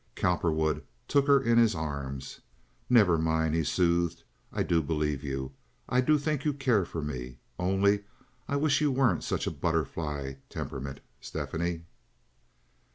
Cowperwood took her in his arms. "Never mind," he soothed. "I do believe you. I do think you care for me. Only I wish you weren't such a butterfly temperament, Stephanie."